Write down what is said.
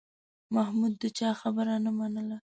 محمود د چا خبره نه منله